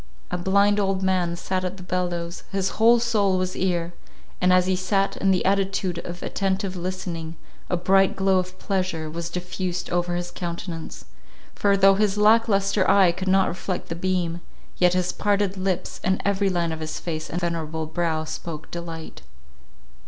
A blind old man sat at the bellows; his whole soul was ear; and as he sat in the attitude of attentive listening, a bright glow of pleasure was diffused over his countenance; for, though his lack lustre eye could not reflect the beam, yet his parted lips, and every line of his face and venerable brow spoke delight.